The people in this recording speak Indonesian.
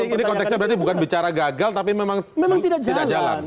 ini konteksnya berarti bukan bicara gagal tapi memang tidak jalan